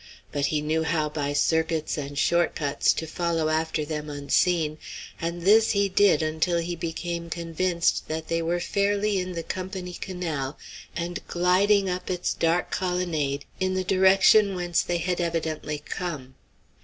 But he knew how by circuits and short cuts to follow after them unseen, and this he did until he became convinced that they were fairly in the Company Canal and gliding up its dark colonnade in the direction whence they had evidently come.